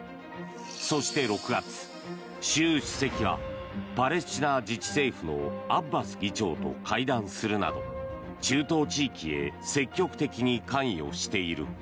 そして６月、習主席がパレスチナ自治政府のアッバス議長と会談するなど中東地域へ積極的に関与している。